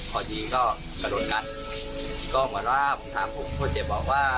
พอดีก็กระโดดกันก็เหมือนว่าผมถามผมผู้ชายประเทียบบอกว่า